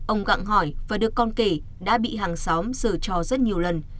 ông gặng hỏi và được con kể đã bị hàng xóm sờ trò rất nhiều lần